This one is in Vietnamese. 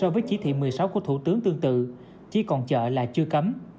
so với chỉ thị một mươi sáu của thủ tướng tương tự chỉ còn chợ là chưa cấm